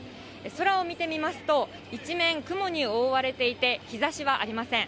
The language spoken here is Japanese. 空を見てみますと、一面、雲に覆われていて、日ざしはありません。